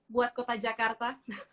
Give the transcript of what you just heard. buat kota jakarta